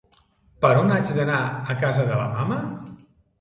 Per on haig d'anar a casa de la mama?